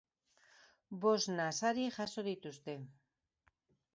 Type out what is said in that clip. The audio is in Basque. Bosna sari jaso dituzte.